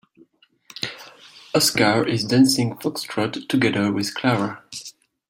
Oscar is dancing foxtrot together with Clara.